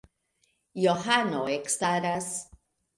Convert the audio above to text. Johano ekstaras.